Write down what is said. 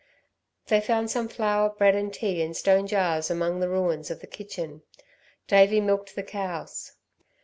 They found some flour, bread and tea in stone jars among the ruins of the kitchen. Davey milked the cows.